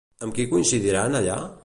Amb qui coincidiran allà?